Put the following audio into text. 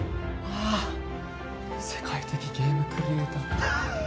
ああ世界的ゲームクリエイター